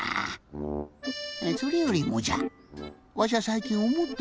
それよりもじゃわしゃさいきんおもってることがあるんじゃ。